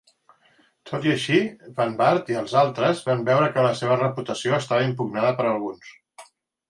Tot i així, Van Wart i els altres van veure que la seva reputació estava impugnada per alguns.